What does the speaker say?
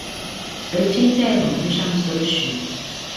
而今在網路上搜尋